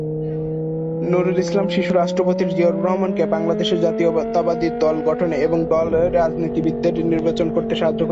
নুরুল ইসলাম শিশু রাষ্ট্রপতি জিয়াউর রহমানকে বাংলাদেশ জাতীয়তাবাদী দল গঠনে এবং দলে রাজনীতিবিদদের নির্বাচন করতে সাহায্য করেছিলেন।